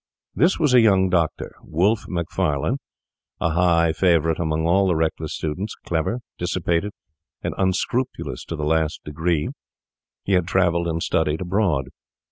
This was a young doctor, Wolfe Macfarlane, a high favourite among all the reckless students, clever, dissipated, and unscrupulous to the last degree. He had travelled and studied abroad.